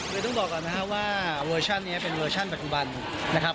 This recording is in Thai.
คือต้องบอกก่อนนะครับว่าเวอร์ชันนี้เป็นเวอร์ชั่นปัจจุบันนะครับ